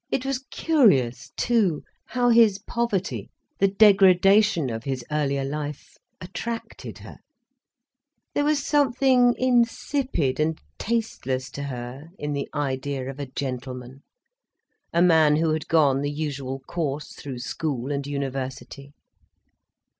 It was curious too, how his poverty, the degradation of his earlier life, attracted her. There was something insipid and tasteless to her, in the idea of a gentleman, a man who had gone the usual course through school and university.